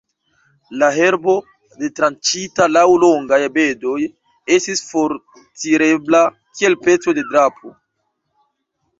La herbo, detranĉita laŭ longaj bedoj, estis fortirebla kiel peco de drapo.